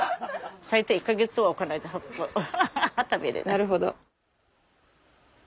なるほど。